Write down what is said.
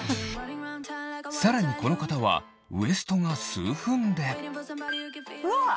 さらにこの方はウエストが数分でうわっ！